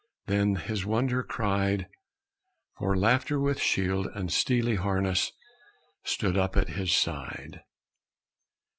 Then his wonder cried; For Laughter, with shield and steely harness, Stood up at his side!